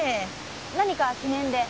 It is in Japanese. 何か記念で？